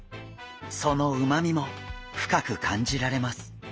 そのうまみも深く感じられます。